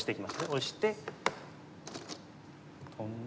オシてトンで。